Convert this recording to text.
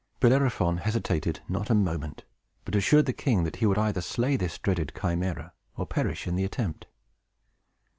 Bellerophon hesitated not a moment, but assured the king that he would either slay this dreaded Chimæra, or perish in the attempt.